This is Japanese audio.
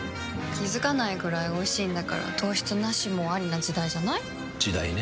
気付かないくらいおいしいんだから糖質ナシもアリな時代じゃない？時代ね。